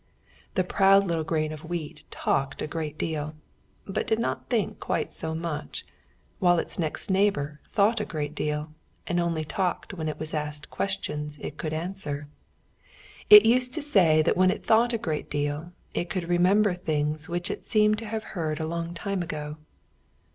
The proud little grain of wheat talked a great deal, but did not think quite so much, while its next neighbour thought a great deal and only talked when it was asked questions it could answer. It used to say that when it thought a great deal it could remember things which it seemed to have heard a long time ago.